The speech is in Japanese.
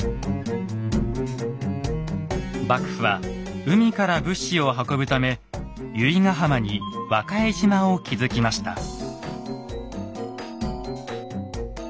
幕府は海から物資を運ぶため由比ガ浜に和賀江島を築きました。